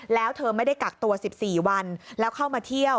แล้วเธอไม่ได้กักตัว๑๔วันแล้วเข้ามาเที่ยว